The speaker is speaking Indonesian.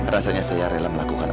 rasanya saya rela melakukan